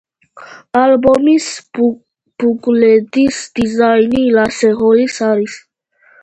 ალბომის ბუკლეტის დიზაინი ლასე ჰოილის არის.